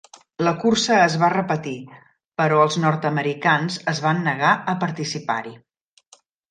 La cursa es va repetir, però els nord-americans es van negar a participar-hi.